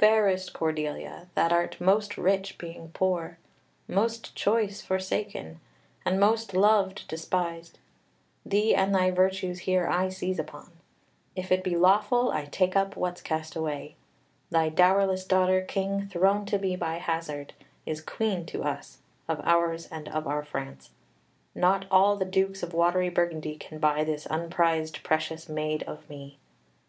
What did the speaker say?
"Fairest Cordelia, that art most rich, being poor; most choice, forsaken; and most loved, despised! Thee and thy virtues here I seize upon; if it be lawful, I take up what's cast away. Thy dowerless daughter, King, thrown to me by hazard, is Queen of us, of ours, and of our France; not all the Dukes of watery Burgundy can buy this unprized, precious maid of me.